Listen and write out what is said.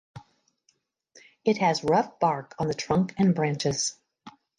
It has rough bark on the trunk and branches.